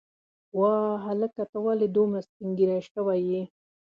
وای هلکه ته ولې دومره سپینږیری شوی یې.